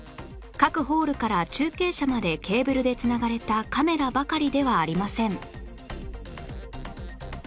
各ホールから中継車までケーブルで繋がれたカメラばかりではありません